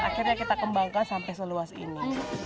akhirnya kita kembangkan sampai seluas ini